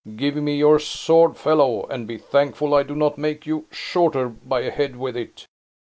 Give me your sword, fellow, and be thankful I do not make you shorter by a head with it."